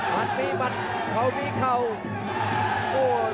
มันมีมันเขามีเขา